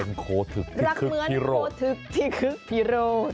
เป็นโคถึกที่คึกทิโร่รักเหมือนโคถึกที่คึกทิโร่